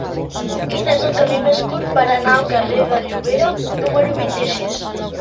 Quin és el camí més curt per anar al carrer de Llobera número vint-i-sis?